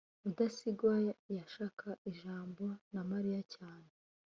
rudasingwa yashakaga ijambo na mariya cyane